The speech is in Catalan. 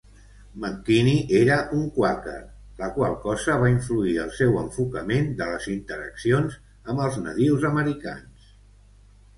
McKenney era un quàquer, la qual cosa va influir el seu enfocament de les interaccions amb els nadius americans.